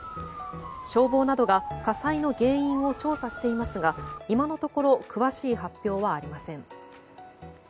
消防などが火災の原因を調査していますが今のところ詳しい発表はありません。